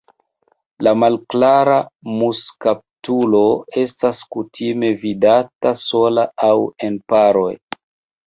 La Malklara muŝkaptulo estas kutime vidata sola aŭ en paroj.